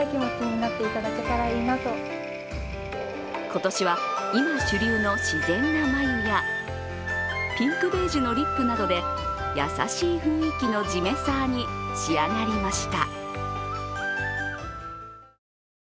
今年は今主流の自然な眉やピンクベージュのリップなどで優しい雰囲気のじめさあに仕上がりました。